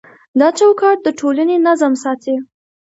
دا چوکاټ د ټولنې نظم ساتي.